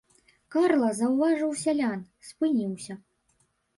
Карла заўважыў сялян, спыніўся.